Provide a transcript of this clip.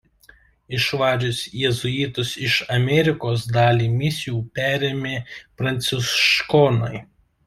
Išvarius jėzuitus iš Amerikos dalį misijų perėmė pranciškonai.